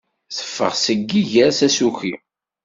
Teffeɣ seg iger s asuki.